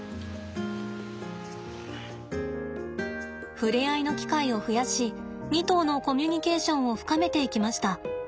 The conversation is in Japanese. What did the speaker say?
触れ合いの機会を増やし２頭のコミュニケーションを深めていきました。